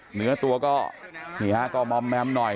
เหนือตัวก็เหนียวก็ม้อแมมหน่อย